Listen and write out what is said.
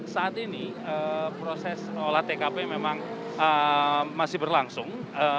saat ini proses olah tkp memang masih berlangsung